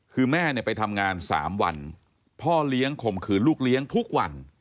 คือแม่ไปทำงาน๓วันพ่อเลี้ยงข่มขืนลูกเลี้ยงทุกวัน